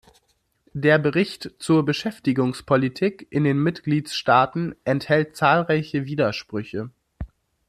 Der Bericht zur Beschäftigungspolitik in den Mitgliedstaaten enthält zahlreiche Widersprüche.